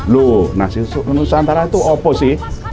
loh nasi nusantara itu opo sih